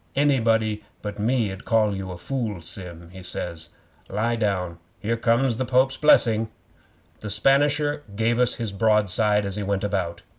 '"Anybody but me 'ud call you a fool, Sim," he says. "Lie down. Here comes the Pope's Blessing!" 'The Spanisher gave us his broadside as he went about.